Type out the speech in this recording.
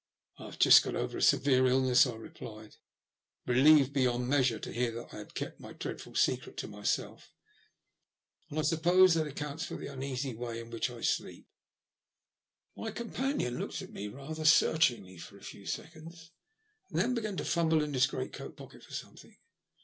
"I've just got over a severe illness," I replied, relieved beyond measure to hear that I had kept my dreadful secret to myself, "and I suppose that ac counts for the uneasy way in which I sleep." My companion looked at me rather searchingly for a few seconds, and then began to fumble in his great coat pocket for something.